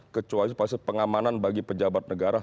kecuali pengamanan bagi pejabat negara